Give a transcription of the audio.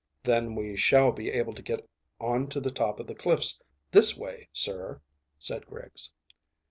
"Then we shall be able to get on to the top of the cliffs this way, sir," said Griggs.